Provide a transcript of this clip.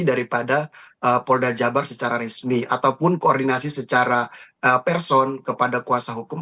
daripada polda jabar secara resmi ataupun koordinasi secara person kepada kuasa hukum